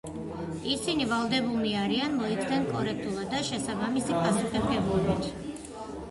ისინი ვალდებულნი არიან მოიქცნენ კორექტულად და შესაბამისი პასუხისმგებლობით.